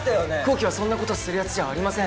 紘希はそんなことするやつじゃありません。